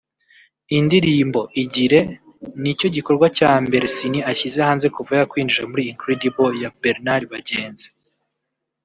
Indirimbo Igire nicyo gikorwa cya mbere Ciney ashyize hanze kuva yakwinjira muri Incredible ya Bernard Bagenzi